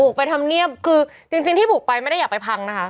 ไปทำเนียบคือจริงที่บุกไปไม่ได้อยากไปพังนะคะ